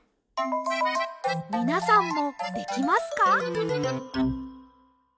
みなさんもできますか？